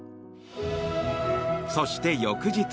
そして、翌日。